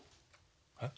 えっ？